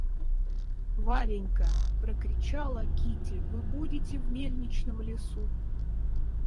Варенька!— прокричала Кити, — вы будете в мельничном лесу?